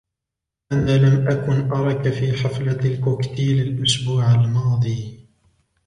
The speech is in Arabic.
أنا لم أركَ في حفلة الكوكتيل الإسبوع الماضي.